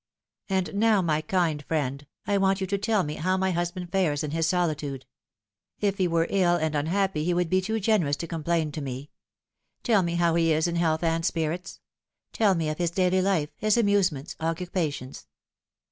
" And now, my kind friend, I want you to tell me how my husband fares in his solitude. If he were ill and unhappy he would be too generous to complain to me. Tell me how he is in health and spirits. Tell me of his daily life, his amusements, occupations.